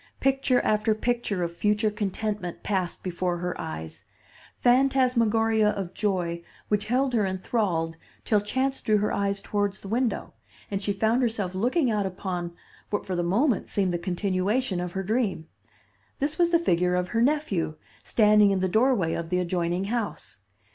Picture after picture of future contentment passed before her eyes; phantasmagoria of joy which held her enthralled till chance drew her eyes towards the window, and she found herself looking out upon what for the moment seemed the continuation of her dream. This was the figure of her nephew, standing in the doorway of the adjoining house.